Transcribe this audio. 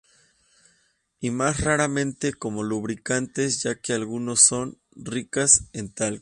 Y más raramente como lubricantes, ya que algunas son ricas en talco.